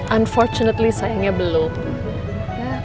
unfortunately sayangnya belum